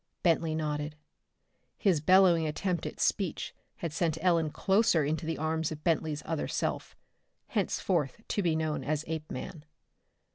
Bentley nodded. His bellowing attempt at speech had sent Ellen closer into the arms of Bentley's other self henceforth to be known as Apeman.